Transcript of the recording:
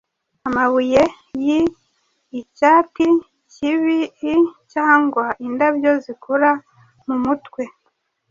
amabuye yiicyati kibii cyangwa Indabyo zikura mumutwe